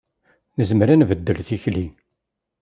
Nezmer ad nbeddel tikli.